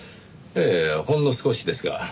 ええほんの少しですが。